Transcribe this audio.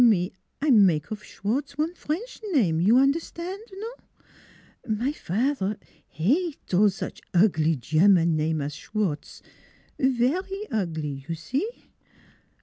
Me I make of Sch wartz one French name you un'er stan' non? My fat'er 'e ha ate all such oglie German name as Sch wartz vary oglie, you see?